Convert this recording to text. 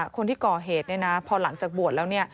คนที่ก่อเหตุพอหลังจากบวชแล้ว